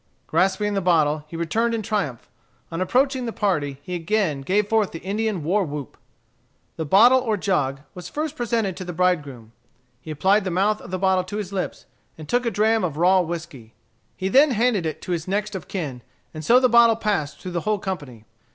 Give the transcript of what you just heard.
Grasping the bottle, he returned in triumph. On approaching the party, he again gave forth the Indian war whoop. The bottle or jug was first presented to the bridegroom. He applied the mouth of the bottle to his lips, and took a dram of raw whiskey. He then handed it to his next of kin, and so the bottle passed through the whole company.